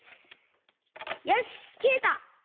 よしきれた！